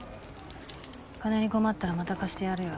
金に困ったらまた貸してやるよ。